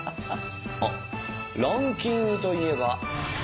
あっランキングといえば。